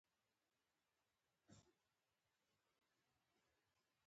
کبان ژوند ساتي.